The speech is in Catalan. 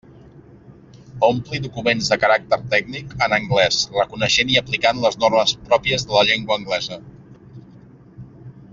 Ompli documents de caràcter tècnic en anglés reconeixent i aplicant les normes pròpies de la llengua anglesa.